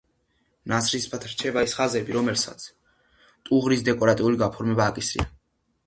ნაცრისფრად რჩება ის ხაზები, რომლებსაც ტუღრის დეკორატიული გაფორმება აკისრია.